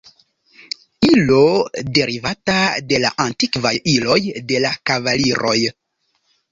Ilo derivata de la antikvaj iloj de la kavaliroj.